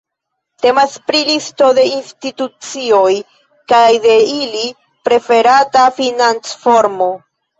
Temas pri listo de institucioj kaj la de ili preferata financformo.